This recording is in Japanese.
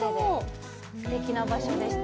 すてきな場所でした。